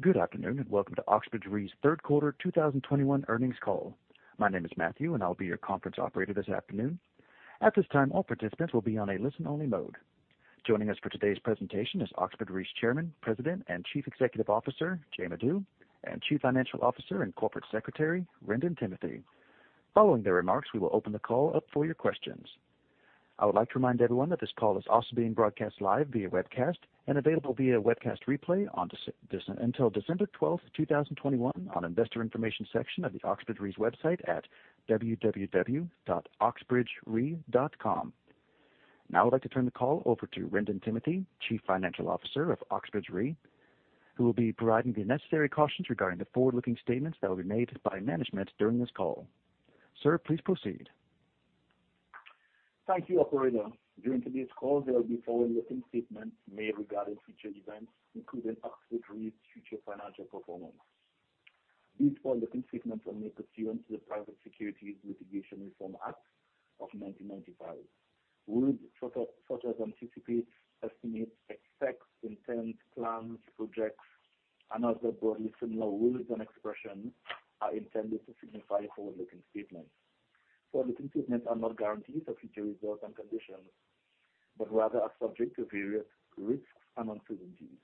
Good afternoon, and welcome to Oxbridge Re's third quarter 2021 earnings call. My name is Matthew, and I'll be your conference operator this afternoon. At this time, all participants will be on a listen-only mode. Joining us for today's presentation is Oxbridge Re's Chairman, President, and Chief Executive Officer, Jay Madhu, and Chief Financial Officer and Corporate Secretary, Wrendon Timothy. Following their remarks, we will open the call up for your questions. I would like to remind everyone that this call is also being broadcast live via webcast and available via webcast replay until December 12th, 2021 on investor information section of the Oxbridge Re's website at www.oxbridgere.com. Now I'd like to turn the call over to Wrendon Timothy, Chief Financial Officer of Oxbridge Re, who will be providing the necessary cautions regarding the forward-looking statements that will be made by management during this call. Sir, please proceed. Thank you, operator. During today's call, there will be forward-looking statements made regarding future events, including Oxbridge Re's future financial performance. These forward-looking statements are made pursuant to the Private Securities Litigation Reform Act of 1995. Words such as anticipate, estimate, expect, intend, plan, project, and other broadly similar words and expressions are intended to signify forward-looking statements. Forward-looking statements are not guarantees of future results and conditions, but rather are subject to various risks and uncertainties.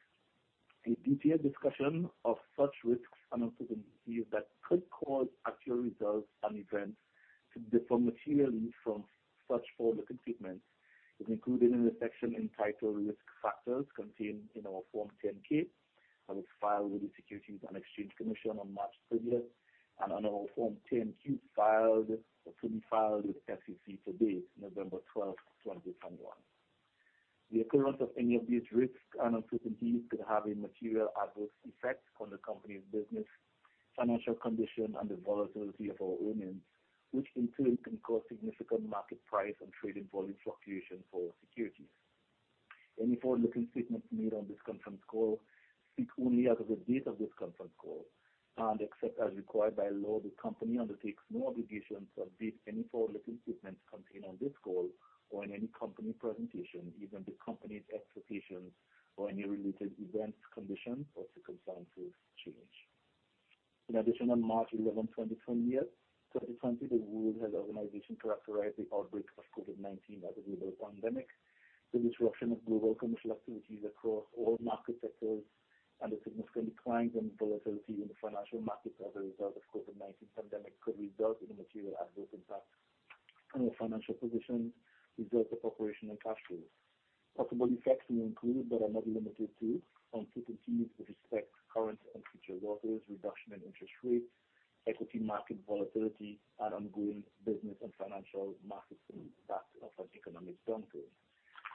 A detailed discussion of such risks and uncertainties that could cause actual results and events to differ materially from such forward-looking statements is included in the section entitled Risk Factors contained in our Form 10-K that was filed with the Securities and Exchange Commission on March 30th, and on our Form 10-Q to be filed with the SEC today, November 12, 2021. The occurrence of any of these risks and uncertainties could have a material adverse effect on the company's business, financial condition, and the volatility of our earnings, which in turn can cause significant market price and trading volume fluctuation for securities. Any forward-looking statements made on this conference call speak only as of the date of this conference call. Except as required by law, the company undertakes no obligation to update any forward-looking statements contained on this call or in any company presentation, even the company's expectations or any related events, conditions or circumstances change. In addition, on March 11th, 2020, the WHO characterized the outbreak of COVID-19 as a global pandemic. The disruption of global commercial activities across all market sectors and the significant declines and volatility in the financial markets as a result of COVID-19 pandemic could result in a material adverse impact on our financial position, results of operations and cash flows. Possible effects may include, but are not limited to, uncertainties with respect to current and future losses, reduction in interest rates, equity market volatility and ongoing business and financial market impacts of an economic downturn.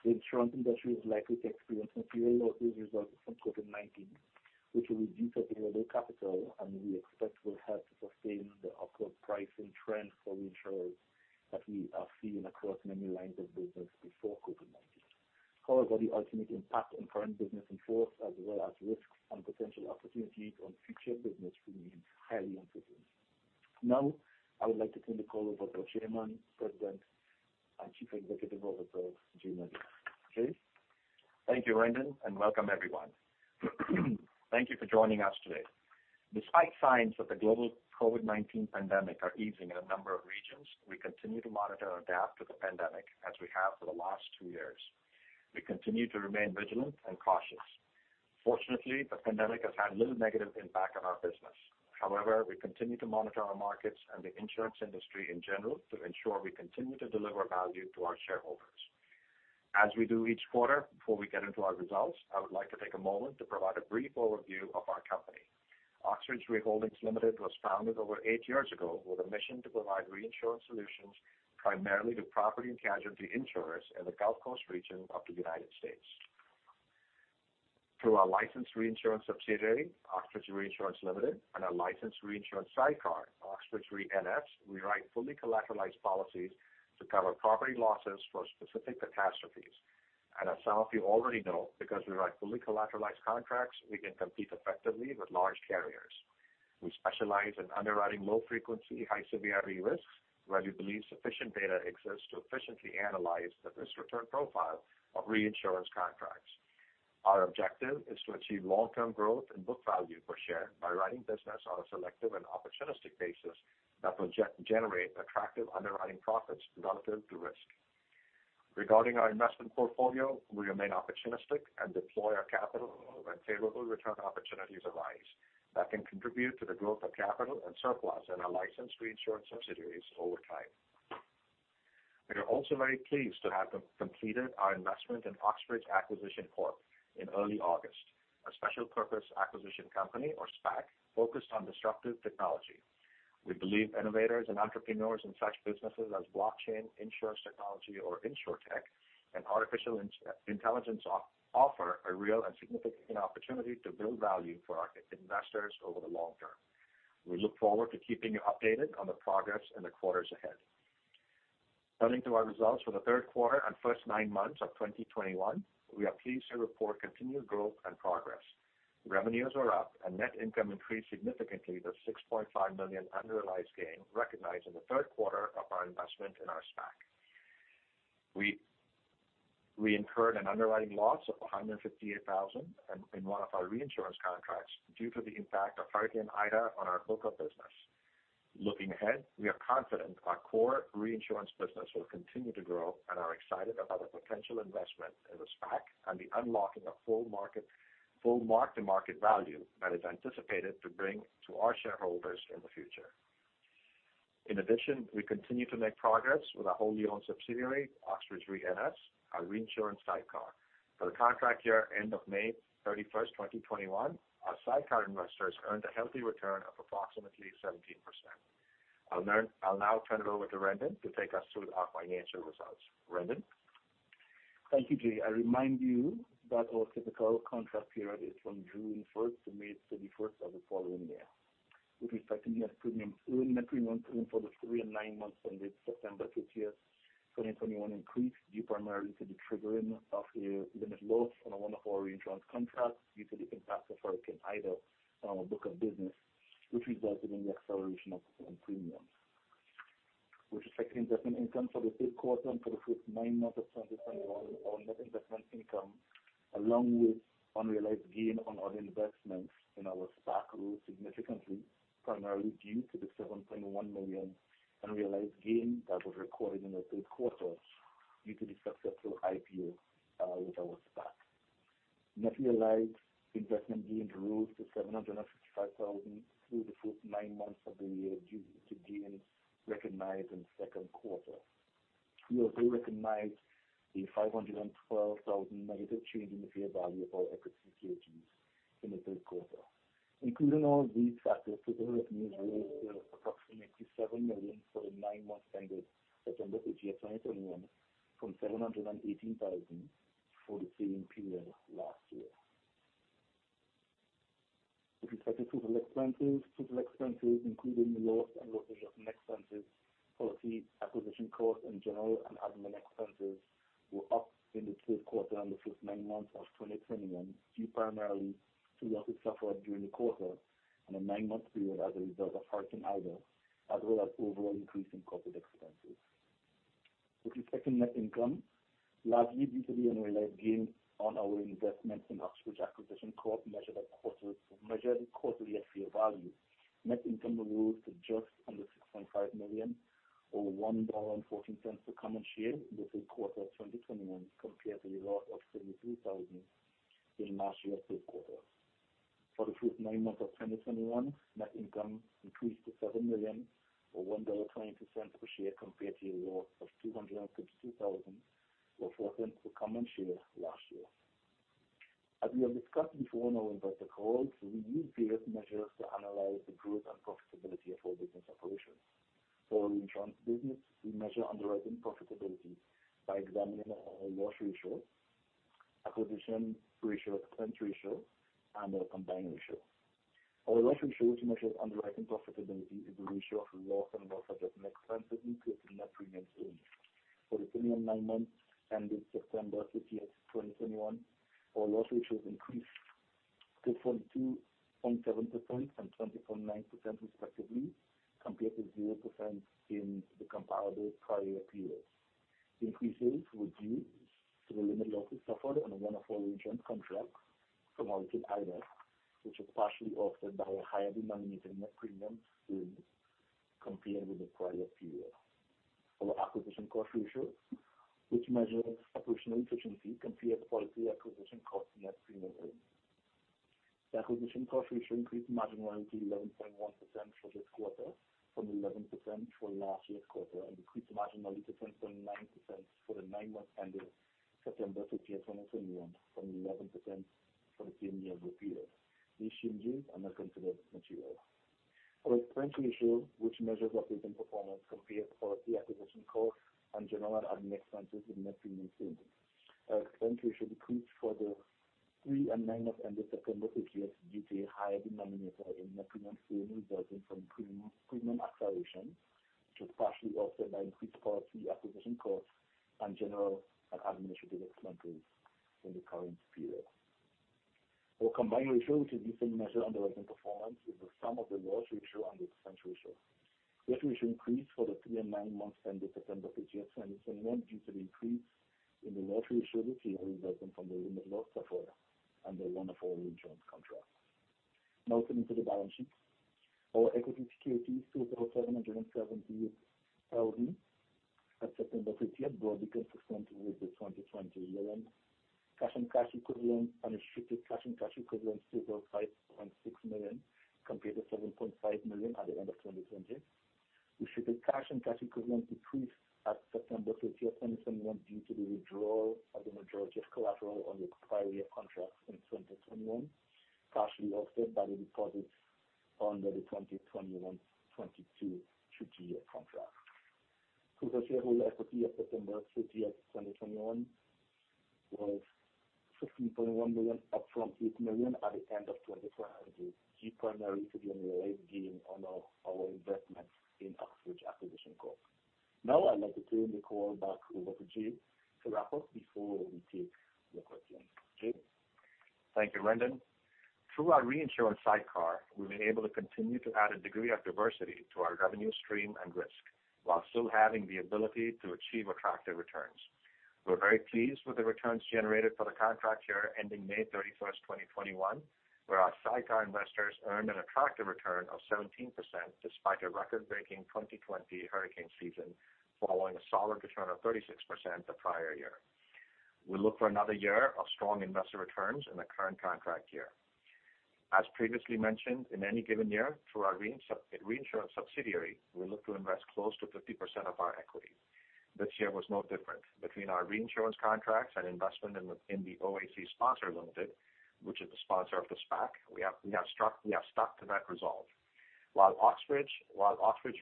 The insurance industry is likely to experience material losses resulting from COVID-19, which will reduce available capital and we expect will help to sustain the upward pricing trend for reinsurers that we are seeing across many lines of business before COVID-19. However, the ultimate impact on current business in force as well as risks and potential opportunities on future business remains highly uncertain. Now, I would like to turn the call over to our Chairman, President, and Chief Executive Officer, Jay Madhu. Jay? Thank you, Wrendon, and welcome everyone. Thank you for joining us today. Despite signs that the global COVID-19 pandemic are easing in a number of regions, we continue to monitor and adapt to the pandemic as we have for the last two years. We continue to remain vigilant and cautious. Fortunately, the pandemic has had little negative impact on our business. However, we continue to monitor our markets and the insurance industry in general to ensure we continue to deliver value to our shareholders. As we do each quarter, before we get into our results, I would like to take a moment to provide a brief overview of our company. Oxbridge Re Holdings Limited was founded over eight years ago with a mission to provide reinsurance solutions primarily to property and casualty insurers in the Gulf Coast region of the United States. Through our licensed reinsurance subsidiary, Oxbridge Reinsurance Limited, and our licensed reinsurance sidecar, Oxbridge Re NS, we write fully collateralized policies to cover property losses for specific catastrophes. As some of you already know, because we write fully collateralized contracts, we can compete effectively with large carriers. We specialize in underwriting low frequency, high severity risks where we believe sufficient data exists to efficiently analyze the risk return profile of reinsurance contracts. Our objective is to achieve long-term growth in book value per share by writing business on a selective and opportunistic basis that generate attractive underwriting profits relative to risk. Regarding our investment portfolio, we remain opportunistic and deploy our capital when favorable return opportunities arise that can contribute to the growth of capital and surplus in our licensed reinsurance subsidiaries over time. We are also very pleased to have completed our investment in Oxbridge Acquisition Corp in early August, a special purpose acquisition company or SPAC focused on disruptive technology. We believe innovators and entrepreneurs in such businesses as blockchain, insurance technology or Insurtech, and artificial intelligence offer a real and significant opportunity to build value for our investors over the long term. We look forward to keeping you updated on the progress in the quarters ahead. Turning to our results for the third quarter and first nine months of 2021, we are pleased to report continued growth and progress. Revenues are up and net income increased significantly with a $6.5 million unrealized gain recognized in the third quarter of our investment in our SPAC. We incurred an underwriting loss of $158,000 in one of our reinsurance contracts due to the impact of Hurricane Ida on our book of business. Looking ahead, we are confident our core reinsurance business will continue to grow and are excited about the potential investment in the SPAC and the unlocking of full mark-to-market value that is anticipated to bring to our shareholders in the future. In addition, we continue to make progress with our wholly-owned subsidiary, Oxbridge Re NS, our reinsurance sidecar. For the contract year-end of May 31st, 2021, our sidecar investors earned a healthy return of approximately 17%. I'll now turn it over to Wrendon Timothy to take us through our financial results. Wrendon Timothy? Thank you, Jay. I remind you that our typical contract period is from June 1st to May 31st of the following year. With respect to net premiums, earned net premiums for the three and nine months ended September 30th, 2021 increased due primarily to the triggering of a limit loss on one of our reinsurance contracts due to the impact of Hurricane Ida on our book of business, which resulted in the acceleration of earned premiums. With respect to investment income for the third quarter and for the first nine months of 2021, our net investment income, along with unrealized gain on our investments in our SPAC rose significantly, primarily due to the $7.1 million unrealized gain that was recorded in the third quarter due to the successful IPO with our SPAC. Net realized investment gains rose to $755,000 through the first nine months of the year due to gains recognized in the second quarter. We also recognized a $512,000 negative change in the fair value of our equity securities in the third quarter. Including all these factors, total recognized gains were approximately $7 million for the nine months ended September 30th, 2021 from $718,000 for the same period last year. With respect to total expenses, total expenses, including loss and loss adjustment expenses, policy acquisition costs, and general and admin expenses were up in the third quarter and the first nine months of 2021, due primarily to losses suffered during the quarter and the nine-month period as a result of Hurricane Ida, as well as overall increase in corporate expenses. With respect to net income, largely due to the unrealized gain on our investments in Oxbridge Acquisition Corp. measured at quarterly fair value, net income rose to just under $6.5 million, or $1.14 per common share in the third quarter of 2021 compared to a loss of $33,000 in last year's third quarter. For the first nine months of 2021, net income increased to $7 million or $1.20 per share compared to a loss of $252,000 or $0.04 per common share last year. As we have discussed before on our investor calls, we use various measures to analyze the growth and profitability of our business operations. For our Insurance business, we measure underwriting profitability by examining our loss ratios, acquisition ratio, expense ratio, and our combined ratio. Our loss ratio, which measures underwriting profitability, is the ratio of loss and loss adjustment expenses to net premiums earned. For the ten months, nine months ended September 30th, 2021, our loss ratios increased to 22.7% and 20.9% respectively, compared to 0% in the comparable prior year period. The increases were due to the limited losses suffered on one of our reinsurance contracts from Hurricane Ida, which was partially offset by a higher denominator in net premiums earned compared with the prior period. Our acquisition cost ratio, which measures operational efficiency compared to policy acquisition costs to net premiums earned. The acquisition cost ratio increased marginally to 11.1% for this quarter from 11% for last year's quarter, and increased marginally to 10.9% for the nine months ended September 30th, 2021 from 11% for the same year's period. These changes are not considered material. Our expense ratio, which measures operating performance compared to policy acquisition costs and general and administrative expenses in net premiums earned, decreased for the three and nine months ended September 30th due to a higher denominator in net premiums earned resulting from premium acceleration, which was partially offset by increased policy acquisition costs and general and administrative expenses in the current period. Our combined ratio, which is used to measure underwriting performance, is the sum of the loss ratio and the expense ratio. This ratio increased for the three and nine months ended September 30th, 2021 due to the increase in the loss ratio this year resulting from the limit loss suffered under one of our reinsurance contracts. Now turning to the balance sheet. Our equity securities totaled $770,000 at September 30th, broadly consistent with the 2020 year-end. Cash and cash equivalents, unrestricted cash and cash equivalents totaled $5.6 million, compared to $7.5 million at the end of 2020. Restricted cash and cash equivalents decreased at September 30th, 2021 due to the withdrawal of the majority of collateral on the prior year contracts in 2021, partially offset by the deposits under the 2021-2022 two-year contract. Total shareholder equity at September 30th, 2021 was $16.1 million, up from $8 million at the end of 2020, due primarily to the unrealized gain on our investment in Oxbridge Acquisition Corp. Now I'd like to turn the call back over to Jay to wrap up before we take your questions. Jay? Thank you, Wrendon. Through our reinsurance sidecar, we've been able to continue to add a degree of diversity to our revenue stream and risk while still having the ability to achieve attractive returns. We're very pleased with the returns generated for the contract year-ending May 31st, 2021, where our sidecar investors earned an attractive return of 17% despite a record-breaking 2020 hurricane season, following a solid return of 36% the prior year. We look for another year of strong investor returns in the current contract year. As previously mentioned, in any given year through our reinsurance subsidiary, we look to invest close to 50% of our equity. This year was no different. Between our reinsurance contracts and investment in the OAC Sponsor Ltd., which is the sponsor of the SPAC, we have stuck to that resolve. While Oxbridge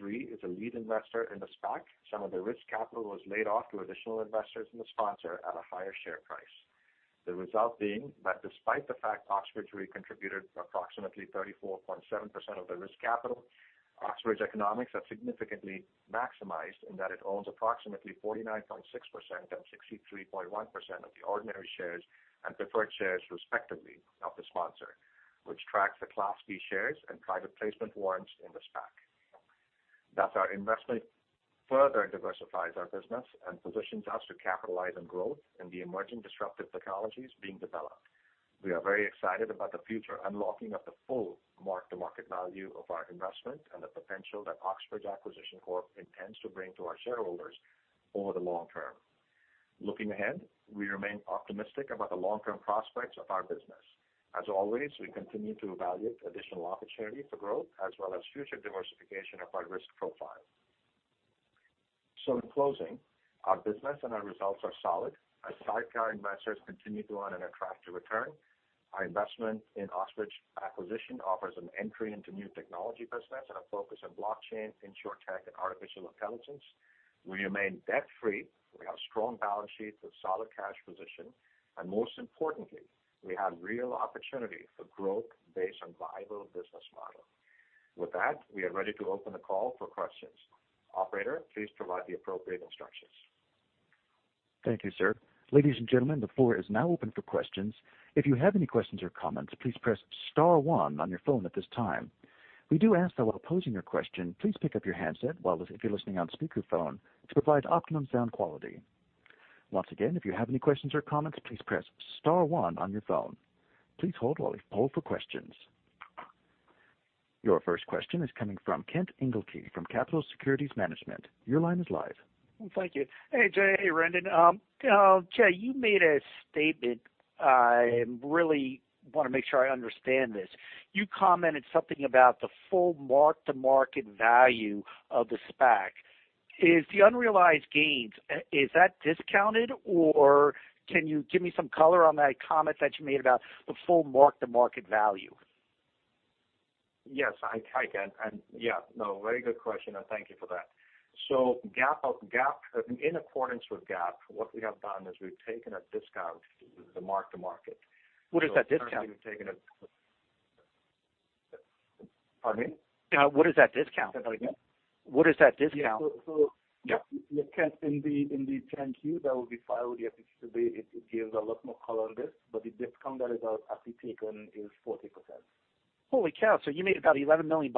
Re is a lead investor in the SPAC, some of the risk capital was laid off to additional investors in the sponsor at a higher share price. The result being that despite the fact Oxbridge Re contributed approximately 34.7% of the risk capital, Oxbridge economics have significantly maximized in that it owns approximately 49.6% and 63.1% of the ordinary shares and preferred shares, respectively, of the sponsor, which tracks the Class B shares and private placement warrants in the SPAC. Thus, our investment further diversifies our business and positions us to capitalize on growth in the emerging disruptive technologies being developed. We are very excited about the future, unlocking of the full mark-to-market value of our investment and the potential that Oxbridge Acquisition Corp intends to bring to our shareholders over the long-term. Looking ahead, we remain optimistic about the long-term prospects of our business. As always, we continue to evaluate additional opportunities for growth as well as future diversification of our risk profile. In closing, our business and our results are solid. Our sidecar investors continue to earn an attractive return. Our investment in Oxbridge Acquisition offers an entry into new technology business and a focus on blockchain, Insurtech, and artificial intelligence. We remain debt-free. We have strong balance sheets with solid cash position. Most importantly, we have real opportunity for growth based on viable business model. With that, we are ready to open the call for questions. Operator, please provide the appropriate instructions. Thank you, sir. Ladies and gentlemen, the floor is now open for questions. If you have any questions or comments, please press Star one on your phone at this time. We do ask that while posing your question, please pick up your handset if you're listening on speakerphone, to provide optimum sound quality. Once again, if you have any questions or comments, please press Star one on your phone. Please hold while we poll for questions. Your first question is coming from Kent Engelke from Capitol Securities Management. Your line is live. Thank you. Hey, Jay. Hey, Wrendon. Jay, you made a statement. I really wanna make sure I understand this. You commented something about the full mark-to-market value of the SPAC. Is the unrealized gains discounted, or can you give me some color on that comment that you made about the full mark-to-market value? Yes, I can. Yeah, no, very good question, and thank you for that. In accordance with GAAP, what we have done is we've taken a discount to the mark-to-market. What is that discount? Pardon me? What is that discount? Say that again. What is that discount? Yeah. Yeah. Kent, in the 10-Q that will be filed yet, it gives a lot more color on this, but the discount that is actually taken is 40%. Holy cow. You made about $11 million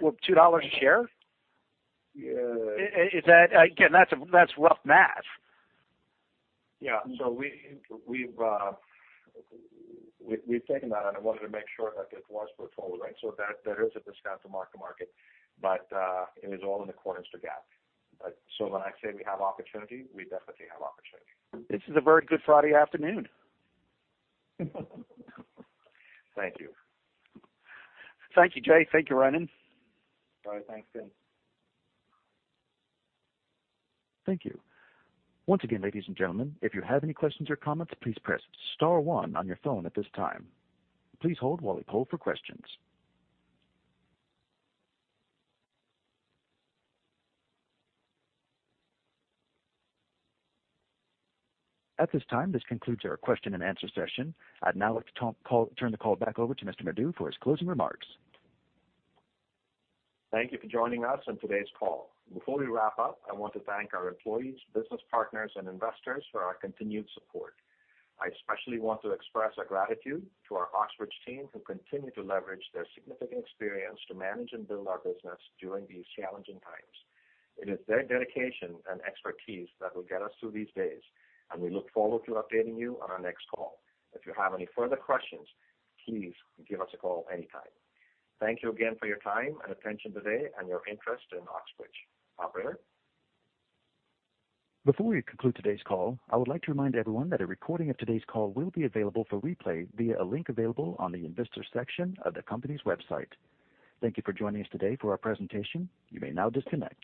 with $2 a share? Yeah. Again, that's rough math. Yeah. We've taken that, and I wanted to make sure that it was proportional, right? That is a discount to mark to market. It is all in accordance to GAAP. When I say we have opportunity, we definitely have opportunity. This is a very good Friday afternoon. Thank you. Thank you, Jay. Thank you, Wrendon. All right. Thanks, Kent. Thank you. Once again, ladies and gentlemen, if you have any questions or comments, please press Star one on your phone at this time. Please hold while we poll for questions. At this time, this concludes our question and answer session. I'd now like to turn the call back over to Mr. Madhu for his closing remarks. Thank you for joining us on today's call. Before we wrap up, I want to thank our employees, business partners, and investors for our continued support. I especially want to express our gratitude to our Oxbridge team, who continue to leverage their significant experience to manage and build our business during these challenging times. It is their dedication and expertise that will get us through these days, and we look forward to updating you on our next call. If you have any further questions, please give us a call anytime. Thank you again for your time and attention today and your interest in Oxbridge. Operator? Before we conclude today's call, I would like to remind everyone that a recording of today's call will be available for replay via a link available on the investors section of the company's website. Thank you for joining us today for our presentation. You may now disconnect.